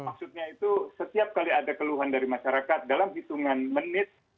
maksudnya itu setiap kali ada keluhan dari masyarakat dalam hitungan menit